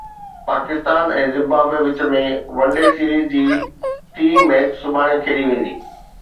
Pakistan ۽ Zimbabwe وچ ۾ one day series جي ٽئين ميچ سڀاڻي کيڏي ويندي